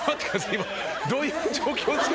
今どういう状況ですか？